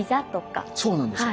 そうなんですよ！